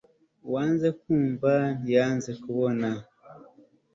uwanze kwumva ntiyanze kubona